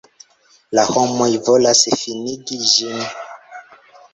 La homoj volas finigi ĝin.